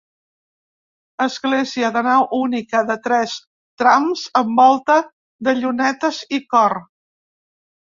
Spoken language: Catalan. Església de nau única, de tres trams amb volta de llunetes i cor.